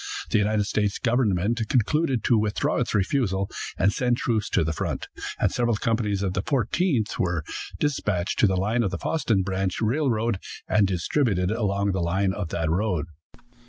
The United States government concluded to withdraw its refusal, and send troops to the front, and several companies of the Fourteenth were dispatched to the line of the Fosston branch railroad, and distributed along the line of that road.